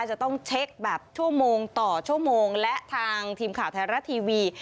จะต้องเช็คแบบชั่วโมงต่อชั่วโมงและทางทีมข่าวไทยรัฐทีวี